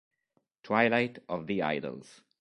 Twilight of the Idols